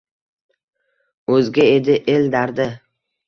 O’zga edi el dardi.